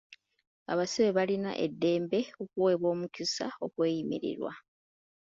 Abasibe balina eddembe okuweebwa omukisa okweyimirirwa.